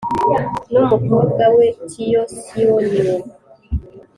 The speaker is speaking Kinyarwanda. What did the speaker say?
n umukobwa we Thio Sioe Nio